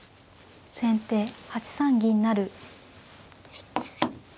先手８三銀成。